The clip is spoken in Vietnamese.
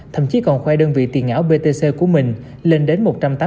thậm chí còn khoai đơn vị tiền ảo btc của mình lên đến một trăm tám mươi